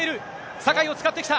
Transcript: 酒井を使ってきた。